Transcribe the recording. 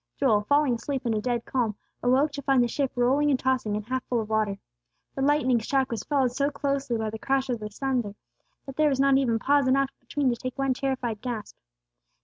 Joel, falling asleep in a dead calm, awoke to find the ship rolling and tossing and half full of water. The lightning's track was followed so closely by the crash of thunder, there was not even pause enough between to take one terrified gasp.